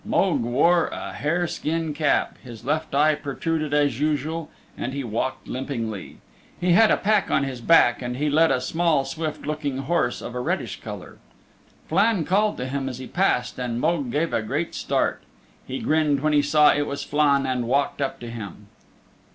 Mogue wore a hare skin cap, his left eye protruded as usual, and he walked limpingly. He had a pack on his back, and he led a small, swift looking horse of a reddish color. Flann called to him as he passed and Mogue gave a great start. He grinned when he saw it was Flann and walked up to him.